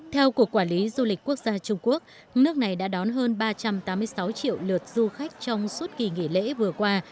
theo cục quản lý du lịch quốc gia trung quốc nước này đã đón hơn ba trăm tám mươi sáu triệu lượt du khách trong suốt kỳ nghỉ lễ vừa qua